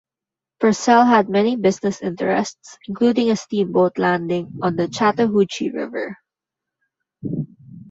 Purcell had many business interests including a steamboat landing on the Chattahoochee River.